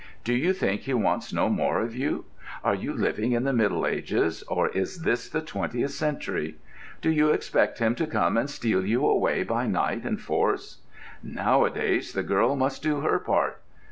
Do you think he wants no more of you? Are you living in the Middle Ages, or is this the Twentieth century? Do you expect him to come and steal you away by night and force? Nowadays the girl must do her part.